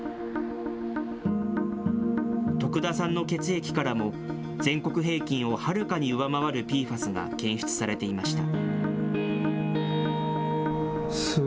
徳田さんの血液からも、全国平均をはるかに上回るＰＦＡＳが検出されていました。